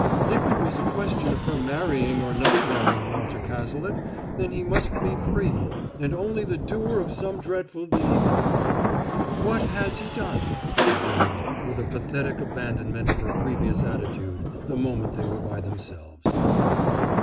If it was a question of her marrying or not marrying Walter Cazalet, then he must be free, and only the doer of some dreadful deed! "What has he done?" she begged, with a pathetic abandonment of her previous attitude, the moment they were by themselves.